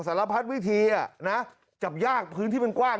สารพัดวิธีอ่ะนะจับยากพื้นที่มันกว้าง